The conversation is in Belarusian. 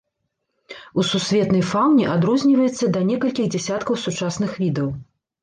У сусветнай фаўне адрозніваецца да некалькіх дзясяткаў сучасных відаў.